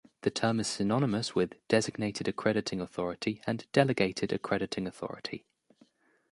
This term is synonymous with "Designated Accrediting Authority" and "Delegated Accrediting Authority".